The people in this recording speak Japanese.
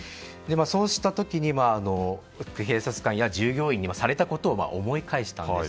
そうした時に警察官や従業員にされたことを思い返したんです。